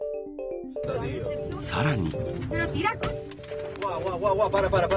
さらに。